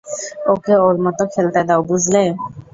ওকে ওর মত খেলতে দাও, বুঝলে?